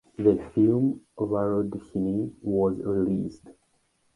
The film "Varoodhini" was released.